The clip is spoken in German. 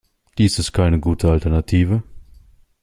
Dies ist keine gute Alternative.